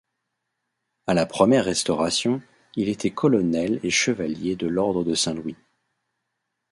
À la première Restauration, il était colonel et chevalier de l'ordre de Saint-Louis.